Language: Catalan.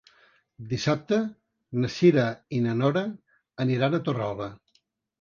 Dissabte na Cira i na Nora aniran a Torralba.